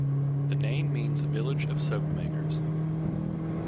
The name means village of soapmakers.